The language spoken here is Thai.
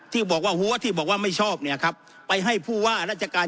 ที่บอกว่าหัวที่บอกว่าไม่ชอบเนี่ยครับไปให้ผู้ว่าราชการ